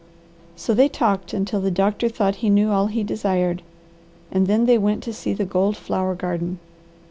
So they talked until the doctor thought he knew all he desired, and then they went to see the gold flower garden.